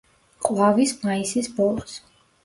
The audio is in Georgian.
ყვავის მაისის ბოლოს.